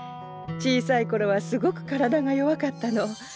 小さい頃はすごく体が弱かったの。